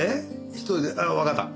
１人でわかった。